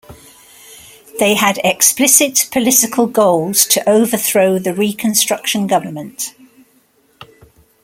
They had explicit political goals to overthrow the Reconstruction government.